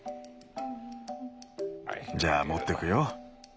じゃあ持ってくよ。